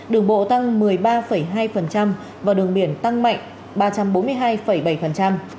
đường bộ tăng một mươi ba hai và đường biển tăng mạnh ba trăm bốn mươi hai bảy